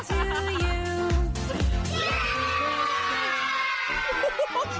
ดึงอีก